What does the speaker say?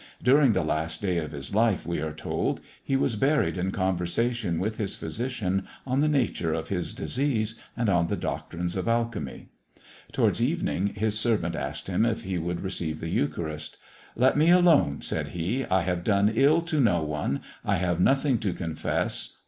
During the last day of his life, we are told, he was buried in conversation with his physician on the nature of his disease, and on the doctrines of alchymy. Towards evening, his servant asked him if he would receive the Eucharist. 'Let me alone,' said he, 'I have done ill to no one. I have nothing to confess.